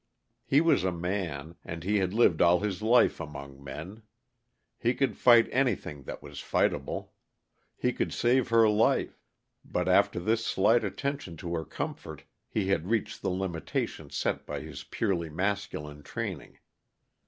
He was a man, and he had lived all his life among men. He could fight anything that was fightable. He could save her life, but after this slight attention to her comfort he had reached the limitations set by his purely masculine training.